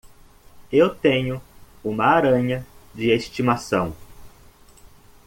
Eu tenho uma aranha de estimação.